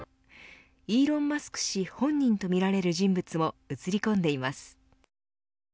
イーロン・マスク氏本人とみられる人物も映り込んでいます。